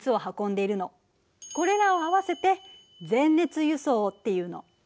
これらを合わせて「全熱輸送」っていうの。